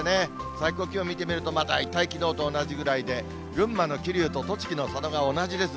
最高気温見てみると、大体きのうと同じぐらいで、群馬の桐生と栃木の佐野が同じです。